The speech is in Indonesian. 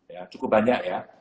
ya cukup banyak ya